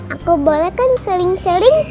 aku boleh kan sering sering